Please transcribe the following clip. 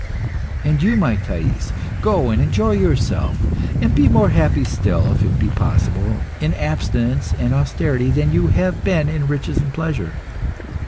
"And you, my Thais, go and enjoy yourself, and be more happy still, if it be possible, in abstinence and austerity than you have been in riches and pleasure.